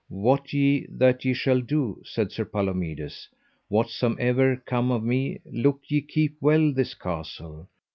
Wot ye what ye shall do, said Sir Palomides; whatsomever come of me, look ye keep well this castle.